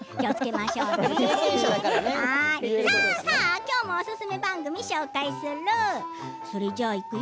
今日もおすすめ番組を紹介するよ。